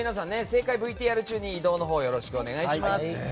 正解ＶＴＲ中に移動のほうをよろしくお願いします。